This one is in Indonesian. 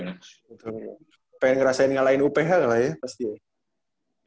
pengen ngerasain ngalahin uph lah ya pasti ya